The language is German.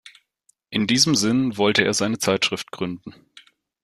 In diesem Sinn wollte er seine Zeitschrift gründen.